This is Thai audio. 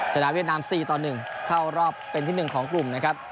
เวียดนาม๔ต่อ๑เข้ารอบเป็นที่๑ของกลุ่มนะครับ